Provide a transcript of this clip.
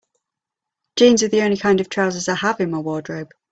Jeans are the only kind of trousers I have in my wardrobe.